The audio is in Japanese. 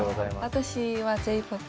私はＪ−ＰＯＰ